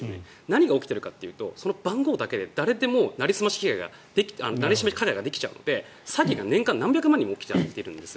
何が起きているかというと番号だけで誰でもなりすまし加害ができちゃうので、詐欺が年間何百万人も起きているんです。